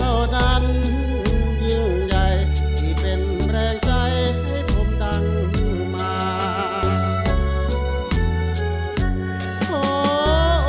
เพราะคุณผู้ภังเจ้านั้นยิ่งใหญ่ที่เป็นแรงใจให้ผมดังมาก